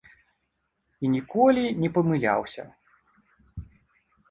І ніколі не памыляўся.